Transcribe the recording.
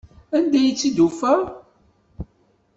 Anda ay tt-id-tufa?